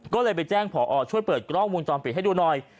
ก็เลยไปแจ้งผอช่วยเปิดกล้องวงจรปิดให้ดูหน่อย